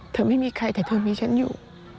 เธอไม่มีใครแต่เธอมีฉันอยู่